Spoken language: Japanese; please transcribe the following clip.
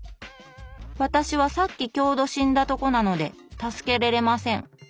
「わたしは、さっききょうど死んだとこなので、助けれれません。」